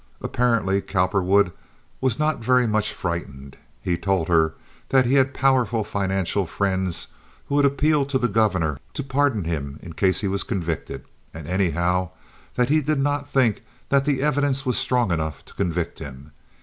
Apparently Cowperwood was not very much frightened. He told her that he had powerful financial friends who would appeal to the governor to pardon him in case he was convicted; and, anyhow, that he did not think that the evidence was strong enough to convict him.